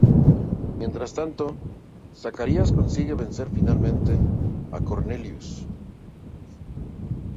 Mientras tanto, Zacarías consigue vencer finalmente a Cornelius.